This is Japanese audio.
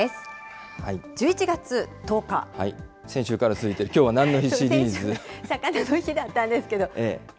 先週から続いて、先週はさかなの日だったんですけど。